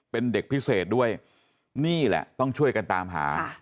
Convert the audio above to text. เป็นเด็กพิเศษด้วยนี่แหละต้องช่วยกันตามหา